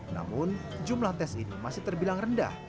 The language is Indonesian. namun jumlah tes ini masih terbilang rendah